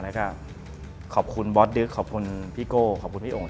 แล้วก็ขอบคุณบอสดิ๊กขอบคุณพี่โก้ขอบคุณพี่โอ่ง